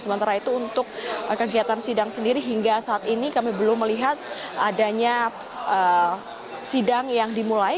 sementara itu untuk kegiatan sidang sendiri hingga saat ini kami belum melihat adanya sidang yang dimulai